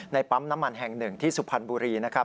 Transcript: ปั๊มน้ำมันแห่งหนึ่งที่สุพรรณบุรีนะครับ